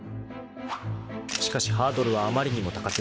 ［しかしハードルはあまりにも高過ぎた］